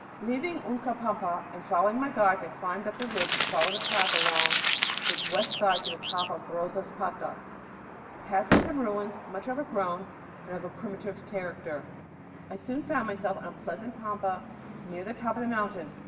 Leaving Uncapampa and following my guides, I climbed up the ridge and followed a path along its west side to the top of Rosaspata. Passing some ruins much overgrown and of a primitive character, I soon found myself on a pleasant pampa near the top of the mountain.